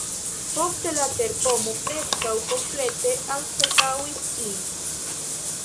Poste la terpomo preskaŭ komplete anstataŭis ĝin.